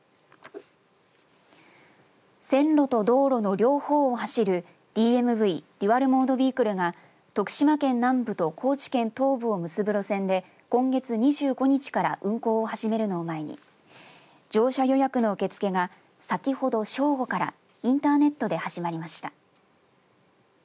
線路と道路の両方を走るＤＭＶデュアル・モード・ビークルが徳島県南部と高知県東部を結ぶ路線で今月２５日から運行を始めるのを前に乗車予約の受け付けが先ほど正午からインターネットで始まりました。